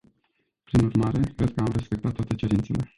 Prin urmare, cred că am respectat toate cerințele.